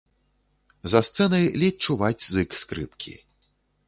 За сцэнай ледзь чуваць зык скрыпкі.